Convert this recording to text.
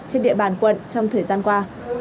trên địa bàn quận trong thời gian qua